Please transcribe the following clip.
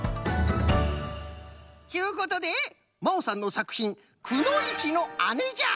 ちゅうことでまおさんのさくひん「くのいちの姉」じゃ。